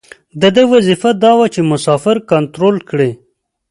د ده وظیفه دا وه چې مسافر کنترول کړي.